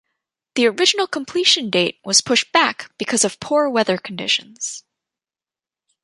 The original completion date was pushed back because of poor weather conditions.